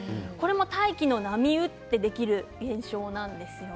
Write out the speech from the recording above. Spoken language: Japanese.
大気が波打ってできる現象なんです。